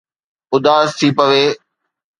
اداس ٿي پوي